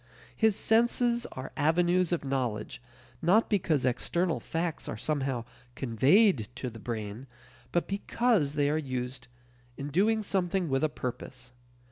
His senses are avenues of knowledge not because external facts are somehow "conveyed" to the brain, but because they are used in doing something with a purpose.